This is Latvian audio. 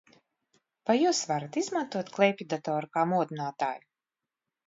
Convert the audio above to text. Vai jūs varat izmantot klēpjdatoru kā modinātāju?